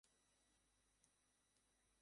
রুহিকে hostel থেকে নিয়ে এসো।